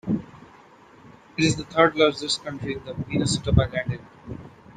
It is the third-largest county in Minnesota by land area.